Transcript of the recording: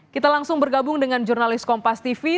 kita langsung bergabung dengan jurnalis kompas tv